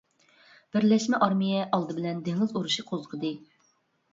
بىرلەشمە ئارمىيە ئالدى بىلەن دېڭىز ئۇرۇشى قوزغىدى.